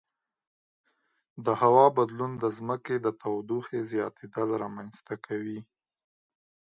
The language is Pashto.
د هوا بدلون د ځمکې د تودوخې زیاتیدل رامنځته کوي.